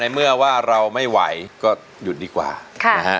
เพลงที่๖นะครับ